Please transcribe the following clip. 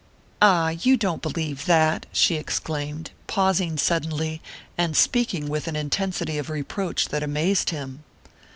"Ah, you don't believe that!" she exclaimed, pausing suddenly, and speaking with an intensity of reproach that amazed him.